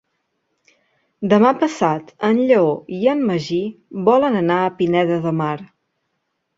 Demà passat en Lleó i en Magí volen anar a Pineda de Mar.